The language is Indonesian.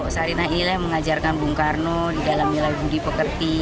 sarina inilah yang mengajarkan bung karno di dalam nilai budi pekerti